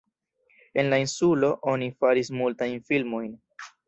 En la insulo oni faris multajn filmojn.